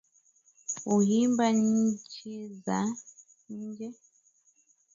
Huimba nchi za nje